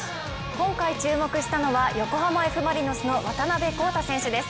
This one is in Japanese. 今回注目したのは横浜Ｆ・マリノスの渡辺皓太選手です。